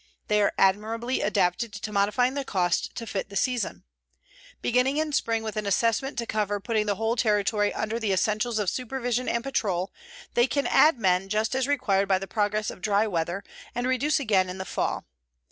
They are admirably adapted to modifying the cost to fit the season. Beginning in spring with an assessment to cover putting the whole territory under the essentials of supervision and patrol, they can add men just as required by the progress of dry weather and reduce again in the fall.